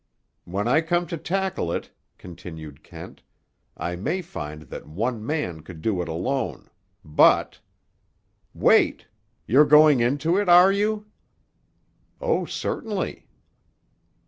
"When I come to tackle it," continued Kent, "I may find that one man could do it alone. But—" "Wait. You're going into it, are you?" "Oh, certainly."